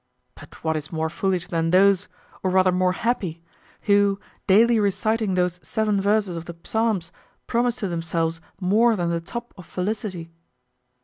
But what is more foolish than those, or rather more happy, who daily reciting those seven verses of the Psalms promise to themselves more than the top of felicity?